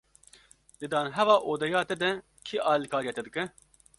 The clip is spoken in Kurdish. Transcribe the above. Di danheva odeya te de, kî alîkariya te dike?